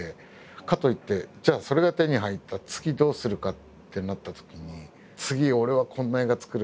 かといってじゃあそれが手に入ったら次どうするかってなったときに次俺はこんな映画作る。